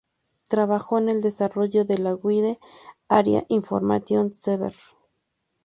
Trabajó en el desarrollo de la Wide Area Information Server.